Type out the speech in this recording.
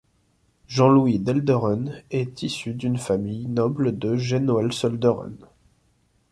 Jean-Louis d'Elderen est issu d'une famille noble de Genoelselderen.